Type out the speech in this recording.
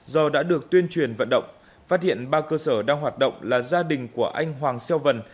ba cơ sở đã được tuyên truyền vận động phát hiện ba cơ sở đang hoạt động là gia đình của anh hoàng xeo vân